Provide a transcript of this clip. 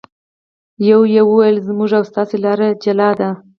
یوه یې وویل: زموږ او ستاسې لارې بېلې دي.